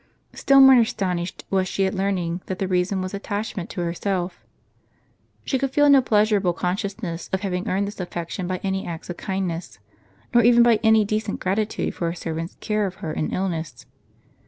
Still more astonished was she at learning, that the reason was attachment to herself. She could feel no pleasurable consciousness of having earned this affection by any acts of kindness, nor even by any decent gratitude for her servant's care of her in illness.